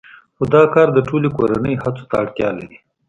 خو دا کار د ټولې کورنۍ هڅو ته اړتیا لري